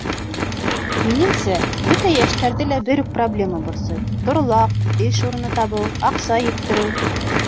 — Минеңсә, бөтөн йәштәрҙе лә бер үк проблема борсой: торлаҡ, эш урыны табыу, аҡса еткереү.